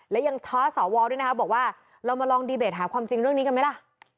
และยังท้าสวด้วยนะครับบอกว่าเรามาลองดีเบตหาความจริงเรื่องนี้กันไหมล่ะ